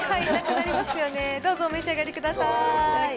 なりますよね、どうぞお召し上がりください。